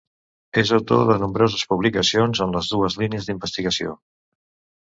És autor de nombroses publicacions en les dues línies d'investigació.